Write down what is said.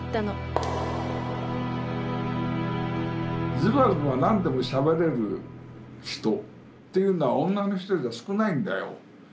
ズバズバ何でもしゃべれる人というのは女の人では少ないんだよ。